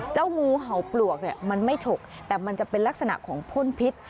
งูเห่าปลวกเนี่ยมันไม่ฉกแต่มันจะเป็นลักษณะของพ่นพิษ